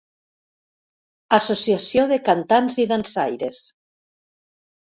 Associació de cantants i dansaires.